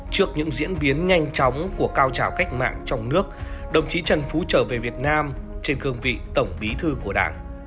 trước những diễn biến nhanh chóng của cao trào cách mạng trong nước đồng chí trần phú trở về việt nam trên cương vị tổng bí thư của đảng